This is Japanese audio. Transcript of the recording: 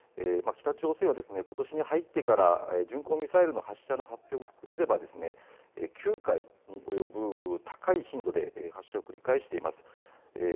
北朝鮮はことしに入ってから巡航ミサイルの発射の発表も含めると９回に及ぶ高い頻度で発射を繰り返しています。